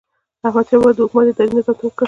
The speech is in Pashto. احمدشاه بابا د حکومت ادارې ته نظم ورکړ.